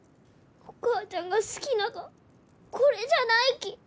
お母ちゃんが好きながはこれじゃないき。